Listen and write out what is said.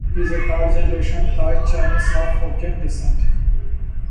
He is a third-generation Thai Chinese of Hokkien descent.